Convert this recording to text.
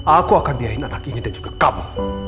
aku akan diahin anak ini dan juga kamu